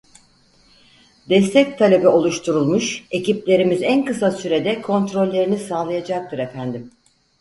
Destek talebi oluşturulmuş ekiplerimiz en kısa sürede kontrollerini sağlayacaktır efendim.